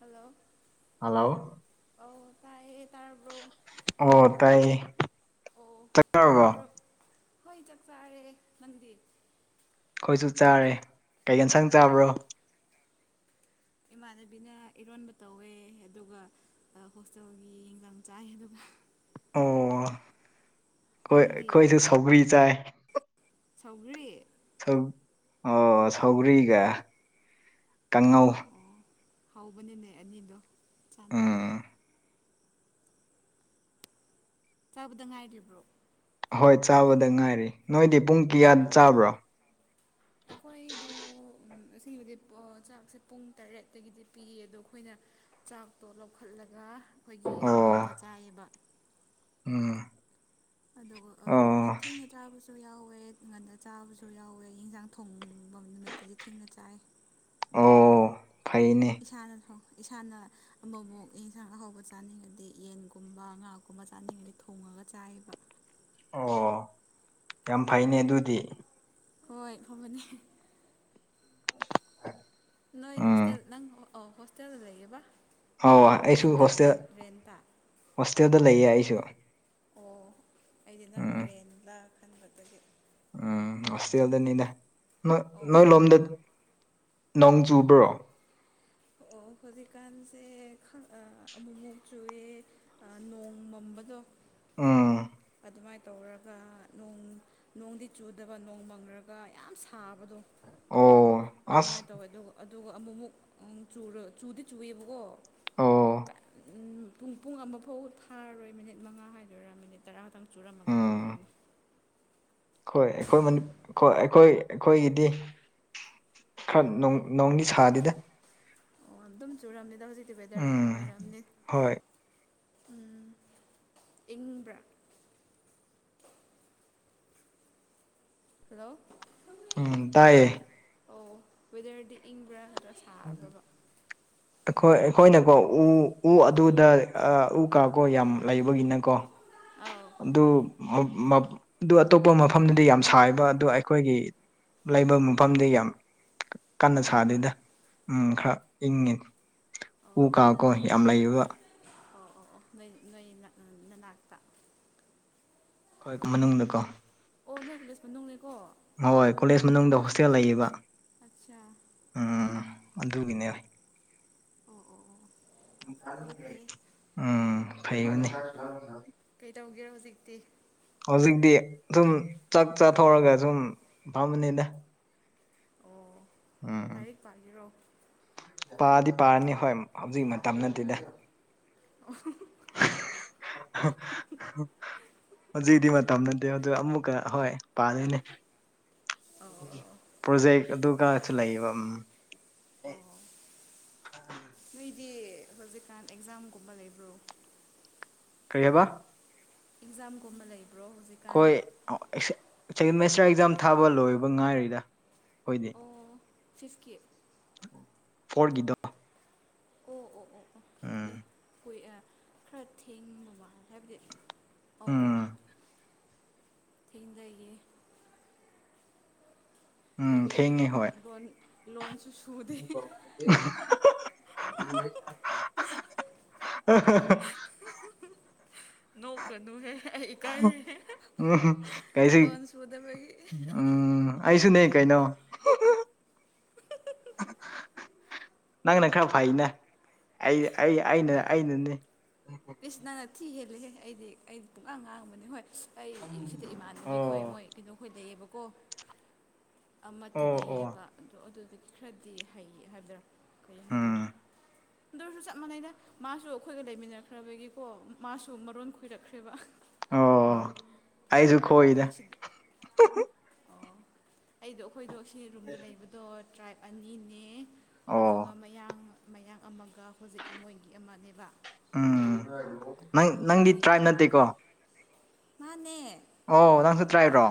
hello hello ꯑꯧ ꯇꯥꯏ ꯇꯥꯔꯕꯣ ꯑꯣ ꯇꯥꯏꯌꯦ ꯑꯣ ꯆꯥꯔꯕꯣ ꯀꯩꯗꯧꯕ꯭ꯔꯣ ꯍꯣꯏ ꯆꯥꯛ ꯆꯥꯔꯦ ꯅꯪꯗꯤ ꯑꯩꯈꯣꯏꯁꯨ ꯆꯥꯔꯦ ꯀꯩꯒꯟ ꯁꯪ ꯑꯩꯈꯣꯏ ꯆꯥꯕ꯭ꯔꯣ ꯏꯃꯥꯟꯅꯕꯤꯅ ꯏꯔꯣꯟꯕ ꯇꯧꯋꯦ ꯑꯗꯨꯒ ꯍꯣꯁꯇꯦꯜꯒꯤ ꯏꯒ ꯆꯥꯏ ꯑꯗꯨꯒ ꯑꯣ ꯑꯩꯈꯣꯏ ꯅꯪꯗꯤ ꯑꯩꯈꯣꯏꯁꯨ ꯁꯧꯒ꯭ꯔꯤ ꯆꯥꯏ ꯁꯧꯒ꯭ꯔꯤ ꯁꯧ ꯑꯣ ꯁꯧ꯭ꯔꯤꯒ ꯀꯥꯡꯉꯧ ꯑꯣ ꯍꯧꯕꯅꯤ ꯅꯣꯏ ꯑꯅꯤꯗꯣ ꯆꯥꯟꯅꯕꯅꯦ ꯎꯝ ꯆꯥꯕꯗ ꯉꯥꯏꯔꯤꯕ꯭ꯔꯣ ꯍꯣꯏ ꯆꯥꯕꯗ ꯉꯥꯏꯔꯤ ꯅꯣꯏꯗꯤ ꯄꯨꯡ ꯀꯌꯥ ꯆꯥꯕ꯭ꯔꯣ ꯑꯩꯈꯣꯏꯗ ꯁꯤꯕꯗꯤ ꯆꯥꯛꯁꯦ ꯄꯨꯡ ꯇꯔꯦꯠꯇꯒꯤꯗꯤ ꯄꯤꯌꯦ ꯑꯗꯣ ꯑꯩꯈꯣꯏꯅ ꯆꯥꯛꯇꯣ ꯂꯧꯈꯠꯂꯒ ꯑꯩꯈꯣꯏꯒꯤ ꯑꯣ ꯔꯨꯝꯗ ꯆꯥꯏꯌꯦꯕ ꯎꯝ ꯑꯗꯨꯒ ꯑꯩꯈꯣꯏ ꯑꯣ ꯊꯦꯡꯅ ꯆꯥꯕꯁꯨ ꯁꯨ ꯌꯥꯎꯋꯦ ꯉꯟꯅ ꯆꯥꯕꯁꯨ ꯌꯥꯎꯋꯦ ꯌꯦꯟꯖꯥꯡ ꯊꯣꯡꯕ ꯅꯨꯃꯤꯠꯇꯗꯤ ꯊꯦꯡꯅ ꯆꯥꯏ ꯑꯣ ꯐꯩꯅꯦ ꯏꯁꯥꯅ ꯊꯣꯡ ꯏꯁꯥꯅ ꯑꯃꯃꯨꯛ ꯌꯦꯟꯁꯥꯡ ꯑꯍꯥꯎꯧꯕ ꯆꯥꯅꯤꯡꯉꯗꯤ ꯌꯦꯟꯒꯨꯝꯕ ꯉꯥꯀꯨꯝꯕ ꯆꯥꯅꯤꯡꯉꯗꯤ ꯊꯣꯡꯉꯒ ꯆꯥꯏꯕ ꯑꯣ ꯌꯥꯝ ꯐꯩꯅꯦ ꯑꯗꯨꯗꯤ ꯍꯣꯏ ꯐꯕꯅꯦ ꯅꯣꯏ ꯎꯝ ꯍꯣꯁꯇꯦꯜ ꯅꯪ ꯍꯣꯁꯇꯦꯜ ꯂꯩꯌꯦꯕ ꯑꯧ ꯑꯩꯁꯨ ꯔꯦꯟꯇ ꯍꯣꯁꯇꯦꯜ ꯔꯦꯟ ꯔꯦꯟꯇ ꯍꯣꯁꯇꯦꯜꯗ ꯂꯩꯌꯦ ꯑꯩꯁꯨ ꯑꯣ ꯑꯩꯗꯤ ꯅꯪ ꯎꯝ ꯔꯦꯟꯗ ꯈꯟꯕ ꯑꯗꯨꯒꯤ ꯎꯝ ꯍꯣꯁꯇꯦꯜꯗꯅꯤꯅꯦ ꯑꯣ ꯅꯣꯏ ꯑꯣ ꯂꯣꯝꯗ ꯅꯣꯡ ꯆꯨꯕ꯭ꯔꯣ ꯑꯣ ꯍꯧꯖꯤꯛꯀꯥꯟꯁꯦ ꯑꯃꯨꯛ ꯃꯣꯛ ꯆꯨꯑꯦ ꯅꯣꯡ ꯃꯪꯕꯗꯣ ꯎꯥꯝ ꯑꯗꯨꯃꯥꯏꯅ ꯇꯧꯔꯒ ꯅꯣꯡ ꯅꯣꯡꯗꯤ ꯆꯨꯗꯕ ꯅꯣꯡ ꯃꯪꯔꯒ ꯌꯥꯝ ꯁꯥꯕꯗꯣ ꯑꯣ ꯑꯁ ꯑꯗꯨꯃꯥꯏꯅ ꯇꯧꯋꯦ ꯑꯗꯨꯒ ꯑꯗꯨꯒ ꯑꯃꯨꯛꯃꯨꯛ ꯆꯨꯗꯤ ꯆꯨꯏꯌꯦꯕꯀꯣ ꯑꯣ ꯄꯨꯡ ꯄꯨꯡ ꯑꯃꯐꯥꯎ ꯐꯥꯔꯔꯣꯏ ꯃꯤꯅꯤꯠ ꯃꯉꯥ ꯍꯥꯏꯗꯣꯏꯔꯥ ꯃꯤꯅꯤꯠ ꯇꯔꯥ ꯉꯛꯇꯪ ꯆꯨꯔꯝꯃꯒ ꯎꯝ ꯇꯣꯛꯈ꯭ꯔꯅꯤ ꯍꯣꯏ ꯑꯩꯈꯣꯏ ꯃꯅꯤ ꯑꯩꯈꯣꯢ ꯑꯩꯈꯣꯏ ꯑꯩꯈꯣꯏꯒꯤꯗꯤ ꯈꯔ ꯅꯣꯡꯗꯤ ꯁꯥꯗꯦꯗ ꯑꯣ ꯑꯗꯨꯝ ꯆꯨꯨꯔꯝꯅꯤꯗ ꯍꯧꯖꯤꯛꯇꯤ ꯋꯦꯗꯔ ꯎꯝ ꯅꯨꯡꯉꯥꯏꯔꯝꯅꯤ ꯍꯣꯏ ꯎꯝ ꯏꯪꯕ꯭ꯔꯥ ꯍꯜꯂꯣ ꯎꯝ ꯇꯥꯏꯑꯌꯦ ꯑꯣ ꯋꯦꯗꯔꯗꯤ ꯏꯪꯕ꯭ꯔꯥ ꯍ [unintelligible] ꯁꯥꯕ꯭ꯔꯕ ꯑꯩꯈꯣꯏ ꯑꯩꯈꯣꯏꯅꯀꯣ ꯎ ꯎ ꯑꯗꯨꯗ ꯎ ꯀꯥ ꯀꯣ ꯌꯥꯝ ꯂꯩꯕꯒꯤꯅꯀꯣ ꯑꯥꯎ ꯑꯗꯨ ꯑꯗꯨ ꯑꯇꯣꯞꯄ ꯃꯐꯝꯗꯗꯤ ꯌꯥꯝ ꯁꯥꯏꯕ ꯑꯗꯨ ꯑꯩꯈꯣꯏꯒꯤ ꯂꯩꯕ ꯃꯐꯝꯗꯤ ꯌꯥꯝ ꯀꯟꯅ ꯏꯪꯕ ꯁꯥꯗꯦꯗ ꯈꯔ ꯏꯪꯉꯤ ꯎ ꯀꯥ ꯀꯣ ꯌꯥꯝ ꯂꯩꯌꯦꯕ ꯑ ꯑꯣ ꯑꯣ ꯅꯣꯏ ꯅꯣꯏ ꯅꯅꯥꯛꯇ ꯑꯩꯈꯣꯏ ꯃꯅꯨꯡꯗꯀꯣ ꯑꯣ ꯅꯣꯏ ꯀꯣꯂꯦꯁ ꯃꯅꯨꯡꯅꯦꯀꯣ ꯍꯣꯏ ꯀꯣꯂꯦꯖ ꯃꯅꯨꯡꯗ ꯍꯣꯁꯇꯦꯜ ꯂꯩꯌꯦꯕ ꯑꯠꯆꯥ ꯎꯝ ꯑꯗꯨꯒꯤꯅꯦ ꯑꯣ ꯑꯣ ꯑꯣ ꯐꯩ ꯐꯩꯌꯦ ꯎꯝ ꯐꯩꯕꯅꯦ ꯀꯩꯇꯧꯒꯦꯔꯣ ꯍꯧꯖꯤꯛꯇꯤ ꯍꯧꯖꯤꯛꯇꯤ ꯁꯨꯝ ꯆꯥꯛ ꯆꯥꯊꯣꯛꯔꯒ ꯁꯨꯝ ꯐꯥꯝꯕꯅꯤꯗ ꯑꯣ ꯎꯝ ꯂꯥꯏꯔꯤꯛ ꯄꯥꯒꯦꯔꯣ ꯄꯥꯗꯤ ꯄꯥꯔꯅꯤ ꯍꯣꯏ ꯍꯧꯖꯤꯛ ꯃꯇꯝ ꯅꯠꯇꯦꯗ ꯑꯣ [inaudible] ꯍꯥ ꯍꯥ [inaudible] ꯍꯧꯖꯤꯛꯗꯤ ꯃꯇꯝ ꯅꯠꯇꯦ ꯑꯗꯨ ꯑꯃꯨꯛꯀ ꯍꯣꯏ ꯄꯥꯗꯣꯏꯅꯦ ꯑꯧ ꯄ꯭ꯔꯣꯖꯦꯛ ꯑꯗꯨꯒ ꯀꯁꯨ ꯂꯩꯌꯦꯕ ꯎꯝ ꯑꯧ ꯑꯧ ꯑꯣ ꯅꯣꯏꯗꯤ ꯍꯧꯖꯤꯛꯀꯥꯟ ꯑꯦꯛꯖꯥꯝꯒꯨꯝꯕ ꯂꯩꯕ꯭ꯔꯣ ꯀꯔꯤꯌꯦꯕ ꯑꯦꯛꯖꯥꯝꯒꯨꯝꯕ ꯂꯩꯕ꯭ꯔꯣ ꯍꯧꯖꯤꯛ ꯑꯩꯈꯣꯏꯦꯃꯦꯁꯇ꯭ꯔ ꯑꯦꯛꯖꯥꯝ ꯊꯥꯕ ꯂꯣꯏꯕ ꯉꯥꯏꯔꯤꯗ ꯑꯩꯈꯣꯏꯗꯤ ꯑꯣ ꯐꯤꯐꯀꯤ ꯐꯣꯔ ꯒꯤꯗ ꯑꯣ ꯑꯣ ꯑꯣ ꯑꯣ ꯎꯝ ꯑꯦ ꯍꯣꯏ ꯈꯔ ꯊꯦꯡ ꯃꯥꯜꯂꯦ ꯍꯥꯏꯕꯗꯤ ꯑꯣ ꯎꯝ ꯊꯦꯡꯅꯖꯩꯌꯦ ꯎꯝ ꯀꯔꯤꯟ ꯊꯦꯡꯉꯦ ꯍꯣꯏ ꯂꯣꯟꯁꯨ ꯁꯨꯗꯦ ꯑ ꯍꯥ ꯅꯣꯛꯈ꯭ꯔꯅ ꯍꯦꯛ ꯑꯩ ꯏꯀꯥꯏ ꯎꯝ ꯀꯩꯁꯨ ꯂꯣꯟ ꯁ ꯎꯗꯕꯒꯤ ꯎꯝ ꯑꯩꯁꯨ ꯅ ꯀꯩꯅꯩꯅꯣ ꯑ ꯍꯥ ꯅꯪꯅ ꯈꯔ ꯐꯩꯅꯦ ꯑꯩ ꯑꯩꯅ ꯑꯩꯅꯅꯦ ꯑꯦꯁ ꯅꯪꯅ ꯊꯤ ꯍꯦꯜꯂꯤꯍꯦ ꯑꯩꯗꯤ ꯑꯩꯗꯤ ꯄꯨꯛꯂꯥꯡ ꯉꯥꯡꯕꯅꯦ ꯍꯣꯏ ꯑꯩ ꯁꯤꯗ ꯏꯃꯥꯟꯅꯕꯤ ꯈꯣꯏ ꯃꯣꯏ ꯑꯣ ꯀꯩꯅꯣ ꯈꯣꯏꯗꯩꯑꯕꯀꯣ ꯑꯃ ꯑꯣ ꯑꯣ ꯊꯤꯗꯩꯌꯦꯕ ꯑꯗꯣ ꯑꯗꯨꯗꯒꯤ ꯈꯔꯗꯤ ꯍꯩ ꯍꯥꯏꯕꯗꯔꯥ ꯍꯩ ꯍꯥꯏꯗꯣꯏꯔꯦ ꯎꯝ ꯑꯗꯨꯔꯁꯨ ꯆꯞ ꯃꯥꯟꯅꯩꯅ ꯃꯥꯁꯨ ꯑꯩꯈꯣꯏꯒ ꯂꯩꯃꯤꯟꯅꯈ꯭ꯔꯕꯒꯤꯀꯣ ꯃꯥꯁꯨ ꯃꯔꯣꯟ ꯈꯣꯏꯔꯛꯈ꯭ꯔꯦꯕ ꯑꯣ ꯑꯩꯁꯨ ꯈꯣꯏꯏꯗ ꯑꯁꯤꯗ ꯑꯣ ꯑꯩꯗꯣ ꯑꯩꯈꯣꯏꯗꯣ ꯁꯤ ꯔꯨꯝꯗ ꯂꯩꯕꯗꯣ ꯇ꯭ꯔꯥꯏꯕ ꯑꯅꯤꯅꯦ ꯑꯗꯨꯒ ꯑꯣ ꯃꯌꯥꯡ ꯃꯌꯥꯡ ꯑꯃꯒ ꯍꯧꯖꯤꯛꯀꯤ ꯃꯣꯏꯒꯤ ꯑꯃꯅꯦꯕ ꯎꯝ ꯅꯪ ꯅꯪꯗꯤ ꯑꯗꯨꯒꯤ ꯇ꯭ꯔꯥꯏꯞ ꯅꯠꯇꯦꯀꯣ ꯃꯥꯅꯦ ꯑꯣ ꯅꯪ ꯆꯠꯇ꯭ꯔꯥ ꯍꯥꯏꯕ꯭ꯔꯣ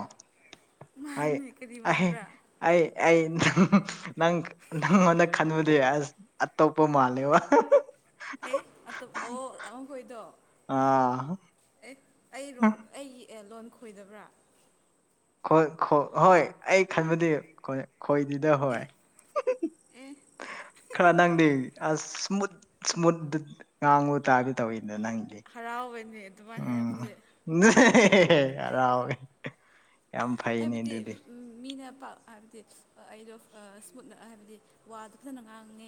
ꯃꯥꯅꯦ ꯀꯔꯤ ꯑꯩꯍ ꯃꯥꯟꯕ꯭ꯔꯥ ꯑꯩ ꯑꯩꯪ ꯅꯪ ꯅꯪꯉꯣꯟꯗ ꯈꯟꯕꯗ ꯑꯁ ꯑꯇꯣꯞꯄ ꯃꯥꯜꯂꯦꯕ ꯑꯦ ꯑꯇꯣꯞ ꯑꯣ ꯂꯥꯛꯉꯈꯣꯏꯗꯣ ꯑꯥ ꯑꯦ ꯑꯩꯔꯣꯟ ꯑꯩꯒꯤ ꯑꯦ ꯂꯣꯟ ꯈꯣꯏꯗꯕ꯭ꯔꯥ ꯏꯣꯏ ꯍꯣꯏ ꯑꯩ ꯈꯟꯕꯗꯤ ꯈꯣꯏꯗꯤꯗ ꯍꯣꯏ ꯑꯦ ꯑꯦ ꯈꯔ ꯅꯪꯗꯦ ꯑꯁ ꯁ꯭ꯃꯨꯠ ꯁꯃꯨꯠ ꯀꯥꯡꯉꯨ ꯇꯥꯕꯤ ꯇꯧꯋꯗ ꯅꯪꯒꯤ ꯍꯔꯥꯎꯕꯅꯦ ꯑꯗꯨꯃꯥꯏꯅ ꯍꯥꯏꯔꯛꯄꯁꯦ ꯎꯝ ꯍꯔꯥꯎꯒꯦ ꯌꯥꯝ ꯐꯩꯅꯦ ꯍꯥꯏꯕꯗꯤ ꯑꯗꯨꯗꯤ ꯃꯤꯅ ꯄ ꯍꯥꯏꯕꯗꯤ ꯑꯩꯗꯣ ꯁ꯭ꯃꯨꯠꯅ ꯍꯥꯏꯕꯗꯤ ꯋꯥꯗꯨ ꯐꯖꯅ ꯉꯥꯡꯉꯦ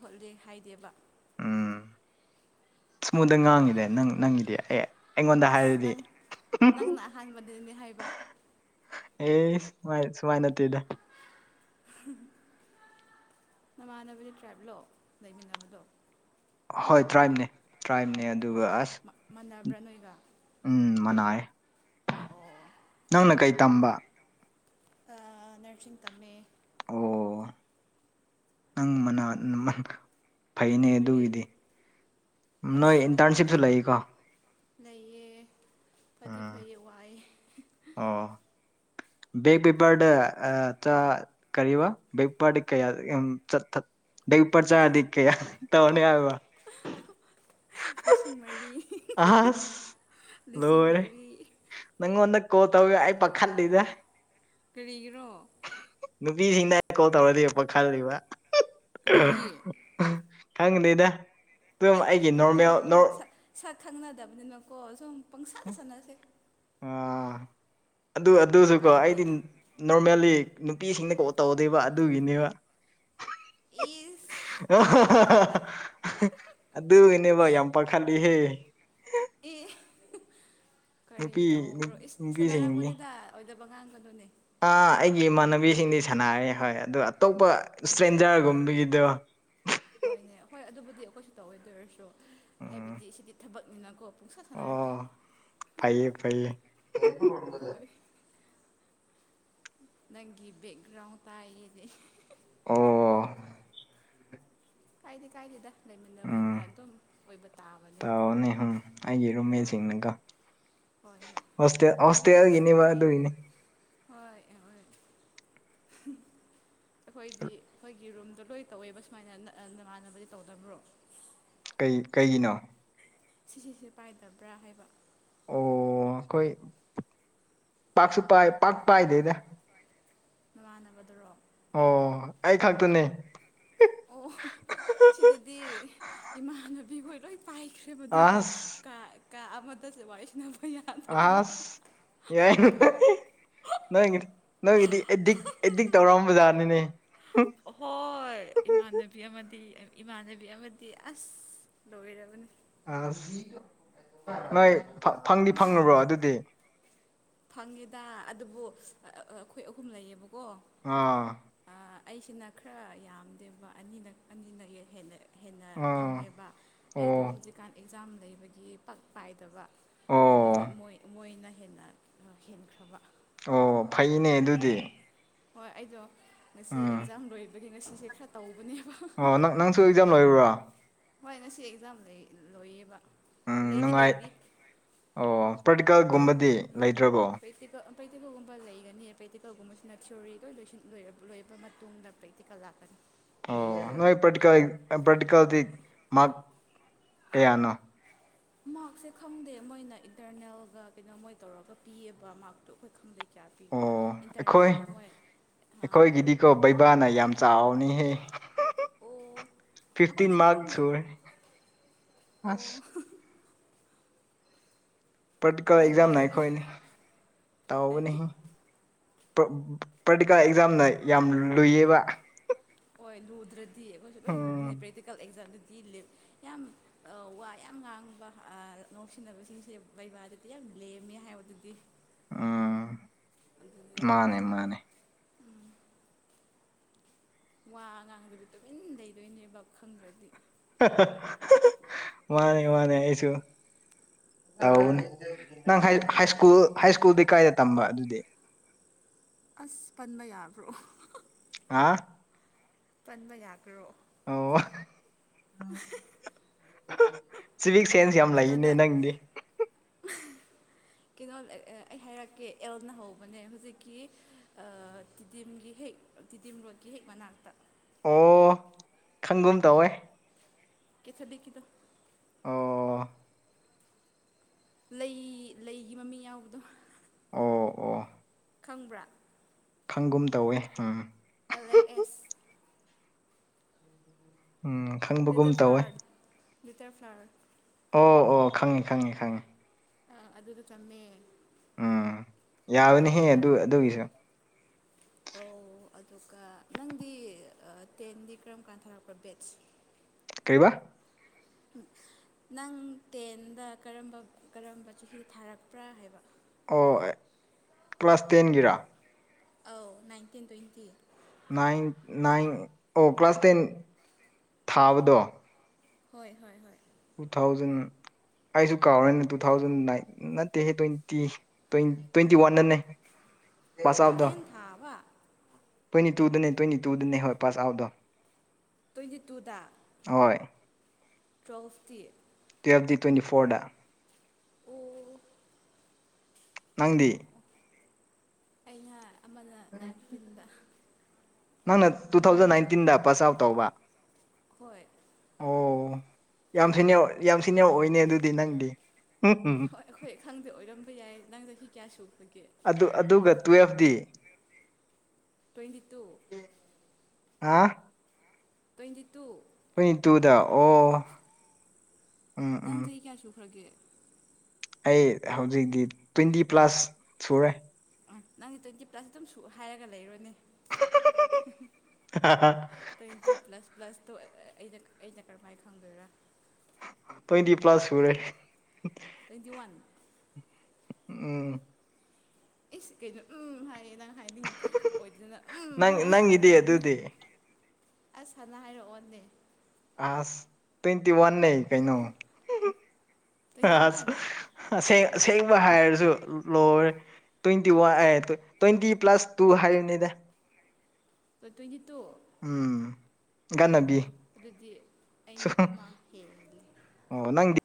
ꯍꯣꯠꯂꯦ ꯍꯥꯏꯗꯦꯕ ꯎꯝ ꯁꯃꯨꯗ ꯉꯥꯡꯉꯤꯗꯪ ꯅꯪꯉꯗꯤ ꯑꯦ ꯑꯩꯉꯣꯟꯗ ꯑꯁ ꯍꯥꯏꯔꯗꯤ ꯅꯪ ꯅꯪꯅ ꯑꯍꯥꯟꯕꯗꯅꯦ ꯍꯥꯏꯕ ꯑꯦ ꯁꯨꯃꯥꯏ ꯁꯨꯃꯥꯏꯅꯠꯇꯗ ꯅꯃꯥꯟꯅꯕꯒꯤ ꯇ꯭ꯔꯥꯏꯕꯂꯣ ꯂꯩꯃꯤꯟꯅꯕꯗꯣ ꯍꯣꯏ ꯇ꯭ꯔꯥꯝꯅꯦ ꯇ꯭ꯔꯥꯝꯅꯦ ꯑꯗꯨꯒ ꯑꯣ ꯑꯁ ꯃꯥꯟꯅꯕ꯭ꯔꯥ ꯅꯣꯏꯒ ꯎꯝ ꯃꯅꯥꯑ ꯑꯣ ꯅꯪꯅ ꯀꯩ ꯇꯝꯕ ꯅꯔꯁꯤꯡ ꯇꯝꯃꯦ ꯑꯣ ꯅꯪ ꯃ ꯐꯩꯅꯦ ꯀꯔꯤ ꯑꯗꯨꯒꯤꯗꯤ ꯅꯣꯏ ꯑꯁ ꯏꯟꯇꯔꯟꯁꯤꯞꯁꯨ ꯐꯗꯤ ꯂꯩꯀꯣ ꯂꯩꯌꯦ ꯐꯗꯤ ꯎꯝ ꯐꯩ ꯋꯥꯏꯑꯦ ꯑꯣ ꯕꯦꯛꯦꯛ ꯄꯦꯄꯔꯗ ꯀꯔꯤꯔꯤꯕ ꯩꯄ ꯀꯌꯥ ꯆꯊ ꯗ ꯄꯔ ꯆꯥꯗꯤ ꯀꯌꯥ ꯇꯧꯅꯤ ꯑ ꯂꯤꯁꯤꯡ ꯃꯔꯤ ꯂꯤꯁꯤꯡ ꯂꯣꯏꯔꯦ ꯃꯔꯤ ꯅꯪꯉꯣꯟꯗ ꯀꯣꯜ ꯇꯧꯔꯒ ꯑꯩ ꯄꯥꯈꯠꯂꯤꯗ ꯀꯔꯤꯒꯤꯔꯣ ꯅꯨꯄꯤꯁꯤꯡꯅ ꯀꯣꯜ ꯇꯧꯔꯗꯤ ꯄꯥꯈꯠꯂꯤꯕ ꯀꯔꯤꯒꯤ ꯈꯪꯗꯦꯗ ꯑꯗꯨꯝ ꯑꯦ ꯑꯩꯒꯤ ꯀꯩꯝ ꯇꯧ ꯀꯩꯝ ꯅꯣꯔꯃꯦꯜ ꯇꯧꯒꯗꯣ ꯁꯛ ꯁꯛ ꯈꯪꯅꯗꯕꯅꯤꯅꯀꯣ ꯁꯨꯝ ꯄꯪꯁꯥꯗ ꯁꯥꯟꯅꯁꯦ ꯑꯥ ꯑꯗꯨ ꯑꯗꯨꯁꯨꯀꯣ ꯑꯩꯗꯤ ꯀꯥꯏꯗꯦꯅ ꯅꯣꯔꯃꯦꯜꯂꯤ ꯅꯨꯄꯤꯁꯤꯡꯅ ꯀꯧ ꯇꯧꯗꯦꯕ ꯑꯗꯨꯒꯤꯅꯦꯕ ꯏꯁ ꯑꯣ ꯃꯥꯟꯗ꯭ꯔꯦꯗ [unintelligible] ꯑꯗꯨꯅꯦꯕ ꯌꯥꯝ ꯄꯥꯈꯠꯂꯤꯍꯦ ꯑꯦ ꯀꯔꯤ ꯅꯨꯄꯤ ꯅꯨ ꯇꯧꯕ꯭ꯔꯣ ꯏꯁ ꯅꯨꯄꯤꯁꯤꯡꯅꯤ ꯁꯥꯟꯅꯔꯝꯒꯅꯤꯗ ꯑꯣꯏꯗꯕ ꯉꯥꯡꯒꯅꯨꯅꯦ ꯑꯩꯒꯤ ꯏꯃꯥꯟꯅꯕꯤꯁꯤꯡꯗꯤ ꯁꯥꯟꯅꯩꯌꯦ ꯍꯣꯏ ꯑꯗꯣ ꯑꯇꯣꯞꯄ ꯍꯣꯏꯅꯦ ꯏꯁꯇ꯭ꯔꯦꯟꯖꯔꯒꯨꯝꯕꯒꯤꯗꯣ ꯍꯣꯏꯅꯦ ꯍꯣꯏ ꯑꯗꯨꯕꯨꯗꯤ ꯑꯩꯈꯣꯏꯁꯨ ꯇꯧꯋꯗꯣꯏꯔꯁꯨ ꯎꯝ ꯍꯥꯏꯕꯗꯤ ꯁꯤꯗꯤ ꯊꯕꯛꯅꯤꯅꯀꯣ ꯄꯨꯡꯁꯥ ꯑꯣ ꯁꯥꯟꯅꯔꯁꯤ ꯐꯩꯌꯦ ꯐꯩꯌꯦ ꯍꯣꯏ ꯅꯪꯒꯤ ꯕꯩꯛꯒ꯭ꯔꯥꯎꯟ ꯇꯥꯏ ꯑꯩꯗꯤ ꯑꯣ ꯀꯥꯏꯗꯦ ꯀꯥꯏꯗꯦꯗ ꯂꯩꯃꯤꯟꯅꯕꯅꯤꯅ ꯑꯗꯨꯝ ꯑꯣꯏꯕ ꯇꯥꯕꯅꯦ ꯄꯥꯅꯤ ꯍꯨꯝ ꯑꯩꯒꯤ ꯍꯣꯏ ꯔꯨꯝꯃꯦꯠꯁꯤꯡꯅꯤꯀꫭ ꯍꯣꯏ ꯍꯣꯏ ꯍꯣꯁꯇꯦꯜ ꯍꯥꯏꯕꯗꯤ ꯍꯣꯁꯇꯦꯜꯒꯤꯅꯦꯕ ꯀꯥꯏ ꯑꯗꯨꯒꯤꯅꯤ ꯍꯣꯏ ꯍꯣꯏ [inaudible] ꯑꯩꯈꯣꯏꯗꯤ ꯑꯩꯈꯣꯏꯒꯤ ꯔꯨꯝꯗꯣ ꯂꯣꯏ ꯇꯧꯋꯦꯕ ꯁꯨꯃꯥꯏꯅ ꯑ ꯅꯃꯥꯟꯅꯕꯗꯤ ꯇꯧꯗꯕ꯭ꯔꯣ ꯀꯩ ꯀꯩꯒꯤꯅꯣ ꯁꯤꯁꯤꯁꯦ ꯄꯥꯏꯗꯕ꯭ꯔꯥ ꯍꯥꯏꯕ ꯑꯣ ꯑꯈꯣꯏ ꯄꯥꯛꯁꯨ ꯄꯥꯏ ꯄꯥꯛ ꯄꯥꯏꯗꯦꯗ ꯅꯃꯥꯟꯅꯕꯗꯨꯔꯣ ꯑꯣ ꯑꯩ ꯈꯛꯇꯅꯦ ꯑꯣ ꯑꯁꯤꯗꯗꯤ ꯏꯃꯥꯟꯅꯕꯤꯈꯣꯏ ꯂꯣꯏ ꯄꯥꯏꯈ꯭ꯔꯦ ꯍꯦꯕ ꯃꯗꯨꯒꯤ ꯑꯁ ꯀ ꯀ ꯑꯃꯠꯇ ꯋꯥꯔꯤ ꯁꯥꯟꯅꯌꯥ ꯑꯁ ꯌꯥꯏꯅ ꯅꯣꯏꯒꯤ ꯅꯣꯏꯒꯤ ꯅꫭꯏꯒꯤꯗꯤ ꯑꯦꯗꯤꯛ ꯑꯦꯗꯤꯛ ꯇꯧꯔꯝꯕ ꯖꯥꯠꯅꯤꯅꯦ ꯍꯣꯏ ꯏꯃꯥꯟꯅꯕꯤ ꯑꯃꯗꯤ ꯏꯃꯥꯟꯅꯕꯤ ꯑꯃꯗꯤ ꯑꯁ ꯂꫭꯏꯔꯕꯅꯤ ꯑꯁ ꯅꯣꯏ ꯐꯪ ꯐꯪꯗꯤ ꯐꯪꯉꯕꯣ ꯑꯗꯨꯗꯤ ꯐꯪꯉꯦꯗ ꯑꯗꯨꯕꯨ ꯑꯩꯈꯣꯏ ꯑꯍꯨꯝ ꯂꯩꯌꯦꯕꯀꯣ ꯑꯥ ꯑꯥ ꯑꯩꯁꯤꯅ ꯈꯔ ꯌꯥꯝꯗꯦꯕ ꯑꯅꯤꯂꯛ ꯑꯅꯤꯂꯛ ꯍꯦꯛ ꯍꯦꯜꯂ ꯍꯦꯟꯅ ꯑꯥ ꯐꯪꯉꯦꯕ ꯑꯩꯗꯣ ꯑꯣ ꯍꯧꯖꯤꯛꯀꯥꯟ ꯑꯦꯛꯖꯥꯝ ꯂꯩꯕꯒꯤ ꯄꯛ ꯄꯥꯏꯗꯕ ꯑꯗꯨꯗꯒꯤ ꯑꯣ ꯃꫭꯏ ꯃꯣꯏꯅ ꯍꯦꯟꯅ ꯍꯦꯟꯈ꯭ꯔꯕ ꯑꯣ ꯐꯩꯅꯦ ꯑꯗꯨꯗꯤ ꯍꯣꯏ ꯑꯩꯗꯣ ꯉꯁꯤ ꯎꯝ ꯑꯦꯛꯖꯥꯝ ꯂꯣꯏꯕꯒꯤ ꯉꯁꯤꯁꯦ ꯈꯔ ꯇꯧꯕꯅꯦꯕ ꯑꯣ ꯅꯪ ꯅꯪꯁꯨ ꯑꯦꯛꯖꯥꯝ ꯂꫭꯏꯕ꯭ꯔꫭ ꯍꯣꯏ ꯉꯁꯤ ꯑꯦꯛꯖꯥꯝ ꯂꯩ ꯂꫭꯏꯌꯦꯕ ꯎꯝ ꯂꯩꯗꯤ ꯅꯨꯡꯉꯥꯏ ꯂꯩꯔꯤ ꯑꯣ ꯄ꯭ꯔꯇꯤꯀꯦꯜꯒꯨꯝꯕꯗꯤ ꯂꯩꯗ꯭ꯔꯕꯣ ꯄ꯭ꯔꯦꯛꯇꯤꯀꯜ ꯄ꯭ꯔꯦꯛꯇꯤꯀꯜꯒꯨꯝꯕ ꯂꯩꯒꯅꯤ ꯄ꯭ꯔꯦꯛꯇꯤꯀꯜꯒꯨꯝꯕꯁꯤꯅ ꯊꯤꯑꯣꯔꯤ ꯂꯣꯏ ꯂꯣꯏꯁꯤꯟ ꯂꯣꯏ ꯂꫭꯏꯔꯛꯄꯒ ꯇꯨꯡꯗ ꯄ ꯇꯤꯀꯜ ꯂꯥꯛꯀꯅꯤ ꯑꯣ ꯅꯣꯏ ꯄ꯭ꯔꯇꯤꯀꯥ ꯄ꯭ꯔꯇꯤꯀꯜꯗꯤ ꯃꯥꯛ ꯀꯌꯥꯅꯣ ꯃꯥꯔꯛꯁꯦ ꯈꯪꯗꯦ ꯃꯣꯏꯅ ꯏꯟꯇꯔꯅꯦꯜꯒ ꯀꯩꯅꯣ ꯃꯣꯏ ꯇꯧꯔꯒ ꯄꯤꯑꯕ ꯃꯥꯔꯛꯇꯣ ꯑꯩꯈꯣꯏ ꯈꯪꯗꯦ ꯆꯥ ꯄꯤꯕ꯭ꯔ ꯑꯣ ꯏꯟꯇꯔꯅꯦꯜꯅ ꯃꯣꯏ ꯑꯥ ꯀꯣ ꯕꯩꯕꯥꯅ ꯌꯥꯝ ꯆꯥꯎꯅꯤꯍꯦ ꯑꯣ ꯐꯤꯐꯇꯤꯟ ꯑꯩꯈꯣꯏꯗꯤ ꯃꯥ ꯈꯪꯗꯦ ꯑꯣ ꯑꯁ ꯄꯔꯇꯤꯀꯂ ꯑꯦꯛꯖꯥꯝꯅ ꯚꯩꯕꯥꯗꯨꯗꯤ ꯑꯩꯈꯣꯏꯅ ꯇꯥꯎꯧꯕꯅꯤ ꯀꯔꯤ ꯄ꯭ꯔꯔꯇꯤꯀꯥꯦꯜ ꯑꯦꯛꯖꯥꯝꯅ ꯌꯥꯝ ꯂꯨꯏꯌꯦꯕ ꯍꯣꯏ ꯂꯨꯗ꯭ꯔꯗꯤ ꯑꯩꯈꯣꯏꯁꯨ ꯂꯣꯏ ꯎꯝ ꯂꯨꯗꯣꯏꯅꯤ ꯄ꯭ꯔꯦꯛꯇꯤꯀꯦꯜ ꯑꯦꯛꯖꯥꯝꯗꯨꯗꯤꯞ ꯌꯥꯝ ꯋꯥ ꯌꯥꯝ ꯉꯥꯡꯕ ꯅꯨꯡꯁꯤꯟꯅꯕꯁꯤꯡꯁꯦ ꯩꯕꯥꯗꯗꯤ ꯌꯥꯝ ꯂꯦꯝꯃꯦ ꯍꯥꯏꯕꯗꯨꯗꯤ ꯎꯝ ꯑꯗꯨꯅꯤꯗ ꯃꯥꯅꯦ ꯃꯥꯅꯦ ꯋꯥ ꯉꯥꯡꯗꯗꯤ ꯇꯨꯃꯤꯟ ꯂꯩꯗꯣꯏꯅꯦꯕ ꯈꯪꯗ꯭ꯔꯗꯤ ꯃꯥꯅꯦ ꯃꯥꯅꯦ ꯑꯩꯁꯨ ꯇꯧꯕꯅꯤ ꯅꯪ ꯍꯥꯏ ꯁ꯭ꯀꯨꯜ ꯍꯥꯏ ꯁ꯭ꯀꯨꯜꯗꯤ ꯀꯥꯏꯗ ꯇꯝꯕ ꯑꯗꯨꯗꯤ ꯑꯁ ꯄꯟꯕ ꯌꯥꯕ꯭ꯔꯣ ꯑ ꯄꯟꯕ ꯌꯥꯒ꯭ꯔꯣ ꯑꯣ [unintelligible] ꯁꯤꯚꯤꯛ ꯁꯦꯟꯁ ꯌꯥꯝ ꯂꯩꯅꯦ ꯀꯩꯅꯣꯗ ꯅꯪꯗꯤ ꯀꯩꯅꯣ ꯑꯩ ꯍꯥꯏꯔꯛꯀꯦ ꯑꯦꯜꯅ ꯍꯧꯕꯅꯦ ꯍꯧꯨꯖꯤꯛꯀꯤ ꯇꯤꯗꯤꯝꯒꯤ ꯍꯦꯛ ꯇꯤꯗꯤꯤꯃꯤꯣꯀꯤ ꯍꯦꯛ ꯃꯅꯥꯑꯥꯛꯇꯥ ꯑꯣ ꯈꯪꯒꯨꯝ ꯇꯧꯋꯦ ꯀꯊꯗꯤꯈꯤꯗ ꯑꯣ ꯂꯩ ꯂꯩꯒꯤ ꯃꯃꯤꯡ ꯌꯥꯎꯕꯗꯣ ꯑꯣ ꯑꯣ ꯈꯪꯕ꯭ꯔꯥ ꯈꯪꯒꯨꯝ ꯇꯧꯋꯦ ꯎꯝ ꯑꯦꯜ ꯑꯦꯐ ꯑꯦꯁ [inaudible] ꯎꯝ ꯈꯪꯕꯒꯨꯝ ꯂꯤꯇꯜ ꯇꯧꯋꯦ ꯐ꯭ꯂꯥꯋꯔ ꯂꯤꯇꯜ ꯐ꯭ꯥꯂꯋꯔ ꯑꯣ ꯑꯣ ꯈꯪꯉꯦ ꯈꯪꯉꯦ ꯈꯪꯉꯦ ꯑ ꯑꯗꯨꯗ ꯇꯝꯃꯦ ꯎꯝ ꯌꯥꯕꯅꯤꯍꯦ ꯑꯗꯨꯗ ꯑꯗꯨ ꯑꯗꯨꯒꯤꯁꯨ ꯑꯧ ꯑꯗꯨꯒ ꯅꯪꯗꯤ ꯑ ꯇꯦꯟꯗꯤ ꯀꯔꯝꯀꯥꯟ ꯊꯥꯔꯛꯄꯔꯥ ꯕꯦꯠꯁ ꯀꯩꯕꯥ [unintelligible] ꯅꯪ ꯇꯦꯟꯗ ꯀꯔꯝꯕ ꯀꯔꯝꯕ ꯆꯍꯤꯗ ꯊꯥꯔꯛꯄ꯭ꯔꯥ ꯍꯥꯏꯕ ꯑꯣ ꯑꯩ ꯀ꯭ꯂꯥꯁ ꯇꯦꯟꯒꯤꯔꯥ ꯑꯧ ꯅꯥꯏꯟꯇꯤꯟ ꯇꯣꯏꯟꯇꯤ ꯅꯥꯏꯟ ꯅꯥꯏꯟ ꯑꯣ ꯀ꯭ꯂꯥꯁ ꯇꯦꯟ ꯊꯥꯕꯗꯣ ꯍꯣꯏ ꯍꯣꯏ ꯍꯣꯏ ꯇꯨ ꯊꯥꯎꯖꯟ ꯑꯩꯖꯨ ꯀꯥꯎꯔꯦꯅꯦ ꯇꯨ ꯊꯥꯎꯖꯟ ꯅꯥꯏꯟ ꯅꯠꯇꯦꯍꯦ ꯇꯣꯏꯟꯇꯤ ꯇꯣꯏꯟ ꯇꯣꯏꯟꯇꯤ ꯋꯥꯟꯗꯅꯦ ꯇꯦꯟ ꯊꯥꯕ ꯇꯣꯏꯟꯇꯤ ꯇꯨꯗꯅꯦ ꯇꯣꯏꯟꯇꯤ ꯇꯨꯗꯅꯦ ꯍꯣꯏ ꯄꯥꯁ ꯑꯥꯎꯠꯗꯣ ꯇꯣꯏꯟꯇꯤ ꯇꯨꯗ ꯍꯣꯏ ꯇꯨꯌꯦꯜꯐꯇꯤ ꯇꯨꯌꯦꯜꯐꯇꯤ ꯇꯣꯏꯟꯇꯤ ꯐꯣꯔꯗ ꯑꯣ ꯅꯪꯗꯤ ꯑꯣ ꯑꯩꯅ ꯑꯃꯅ ꯅꯥꯏꯟꯇꯤꯟꯗ ꯅꯪꯅ ꯇꯨꯊꯥꯎꯖꯟ ꯅꯥꯏꯟꯇꯤꯟꯗ ꯄꯥꯁ ꯑꯥꯎꯠ ꯇꯧꯕ ꯍꯣꯏ ꯑꯣ ꯌꯥꯝ ꯁꯤꯅꯤꯌꯔ ꯌꯥꯝ ꯁꯤꯅꯤꯌꯔ ꯑꯣꯏꯅꯦ ꯑꯗꯨꯗꯤ ꯅꯪꯗꯤ ꯍꯣꯏ ꯑꯩꯈꯣꯏ ꯈꯪꯗꯦ ꯑꯣꯏꯔꯝꯕ ꯌꯥꯏ ꯅꯪ ꯆꯍꯤ ꯀꯌꯥ ꯁꯨꯈꯔꯒꯦ ꯑꯗꯨ ꯑꯗꯨꯒ ꯇꯨꯌꯦꯜꯐꯇꯤ ꯇꯣꯏꯟꯇꯤ ꯇꯨ ꯑꯥ ꯇꯣꯏꯟꯇꯤ ꯇꯨ ꯇꯣꯏꯟꯇꯤ ꯇꯨꯗ ꯑꯣ ꯎꯝ ꯅꯪ ꯎꯝ ꯆꯍꯤ ꯀꯌꯥ ꯁꯨꯈ꯭ꯔꯒꯦ ꯑꯩ ꯍꯧꯖꯤꯛꯇꯤ ꯇꯣꯏꯟꯇꯤ ꯄ꯭ꯂꯁ ꯁꯨꯔꯦ ꯑ ꯅꯪꯗꯤ ꯇꯣꯏꯟꯇꯤ ꯄ꯭ꯂꯁ ꯑꯗꯨꯝ ꯁꯨ ꯍꯥꯏꯔꯒ ꯂꯩꯔꯣꯅꯦ ꯇꯣꯏꯟꯇꯤ ꯄ꯭ꯂꯁ ꯄ꯭ꯂꯁꯇꯣ ꯑꯩ ꯑꯩꯅ ꯑꯩꯅ ꯀꯔꯝꯃꯥꯏꯟ ꯈꯪꯗꯣꯏꯔꯥ ꯇꯣꯏꯟꯇꯤ ꯄ꯭ꯂꯁ ꯁꯨꯔꯦ ꯇꯣꯏꯟꯇꯤ ꯋꯥꯟ ꯎꯝ ꯏꯁ ꯀꯩꯅꯣ ꯎꯝ ꯍꯥꯏꯔꯦ ꯅꯪ ꯍꯥꯏꯅꯤꯡ ꯑꯣꯏꯗꯅ ꯎꯝ ꯅꯪ ꯍꯥꯏ ꯅꯪꯒꯤꯗꯤ ꯇꯟꯅ ꯑꯗꯨꯗꯤ ꯑꯁ ꯍꯥꯟꯅ ꯍꯥꯏꯔꯛꯑꯣꯅꯦ ꯑꯁ ꯇꯣꯏꯟꯇꯤ ꯋꯥꯟꯅꯦ ꯀꯩꯅꯣ ꯇ꯭ꯋꯦꯟꯇꯤ ꯑꯁ ꯋꯥꯟ ꯑꯁꯦꯡ ꯑꯁꯦꯡꯕ ꯍꯥꯏꯔꯖꯨ ꯂꯣꯏꯔꯦ ꯇꯣꯏꯟꯇꯤ ꯋꯥꯟ ꯑꯦ ꯇꯣꯏꯟꯇꯤ ꯄ꯭ꯂꯁ ꯇꯨ ꯍꯥꯏꯔꯤꯕꯅꯤꯗ ꯇꯣ ꯇꯣꯏꯟꯇꯤ ꯇꯨ ꯎꯝ ꯑꯣ ꯒꯟꯅꯕꯤ ꯑꯗꯨꯗꯤ ꯑꯩꯅ ꯑꯃ ꯍꯦꯟꯂꯦ ꯑꯣ ꯅꯪꯗꯤ